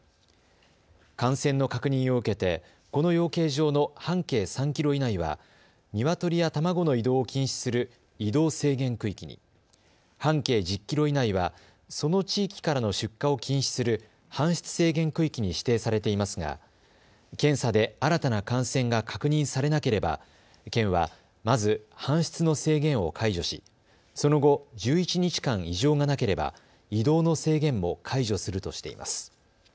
感染の確認を受けてこの養鶏場の半径３キロ以内はニワトリや卵の移動を禁止する移動制限区域に、半径１０キロ以内はその地域からの出荷を禁止する搬出制限区域に指定されていますが検査で新たな感染が確認されなければ県は、まず搬出の制限を解除しその後、１１日間異常がなければ移動の制限も解除するとしています。